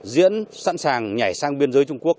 diễn sẵn sàng nhảy sang biên giới trung quốc